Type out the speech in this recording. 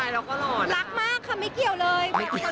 รักมากค่ะไม่เกี่ยวเลย